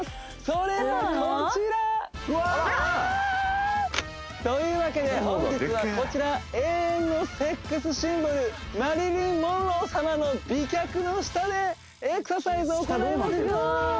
それはこちら！というわけで本日はこちら永遠のセックスシンボルマリリン・モンロー様の美脚の下でエクササイズを行いますよ